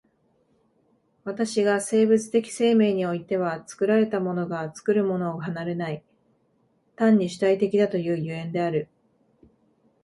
私が生物的生命においては作られたものが作るものを離れない、単に主体的だという所以である。